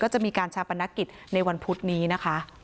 จะมีการชาปนกิจในวันพุธนี้นะคะ